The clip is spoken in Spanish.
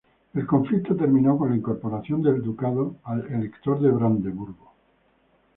El conflicto terminó con la incorporación del ducado al elector de Brandenburgo.